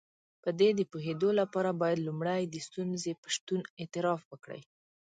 په دې د پوهېدو لپاره بايد لومړی د ستونزې په شتون اعتراف وکړئ.